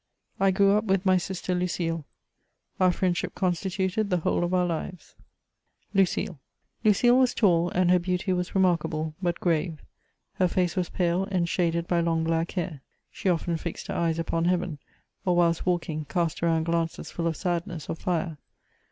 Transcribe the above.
I grew up with my sister Ludle ; our friendship constituted the whole of our iives. CHATEAUBRIAND. 127 LUCILS. LuciLE was tall, and her beauty was remarkable, but grave. Her face was pale, and shaded by long bbick hair. She often fixed her eyes upon heaven, or whilst walking, cast around glances full of sadness or fire.